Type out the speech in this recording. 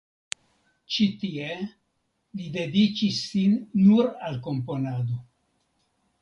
Ĉi tie li dediĉis sin nur al komponado.